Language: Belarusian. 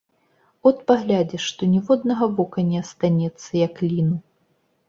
От паглядзіш, што ніводнага вока не астанецца, як ліну.